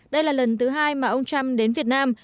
đây là lần thứ hai mà ông trump đến việt nam